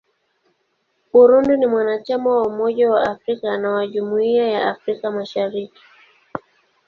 Burundi ni mwanachama wa Umoja wa Afrika na wa Jumuiya ya Afrika Mashariki.